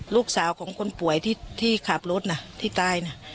ลูกสาวของคนป่วยที่ขับรถนะที่ตายนะ